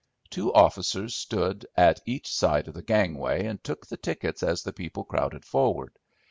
Two officers stood at each side of the gangway and took the tickets as the people crowded forward.